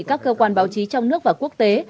các cơ quan báo chí trong nước và quốc tế